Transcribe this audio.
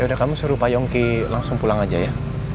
yaudah kamu suruh pak yongki langsung pulang aja ya